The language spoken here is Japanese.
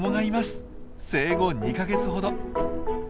生後２か月ほど。